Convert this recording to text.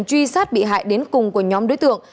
truy sát bị hại đến cùng của nhóm đối tượng